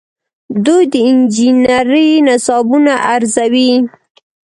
دوی د انجنیری نصابونه ارزوي.